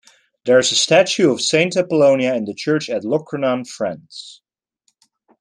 There is a statue of Saint Apollonia in the church at Locronan, France.